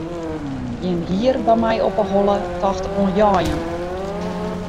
Gjin hier by my op 'e holle tocht oan jeien.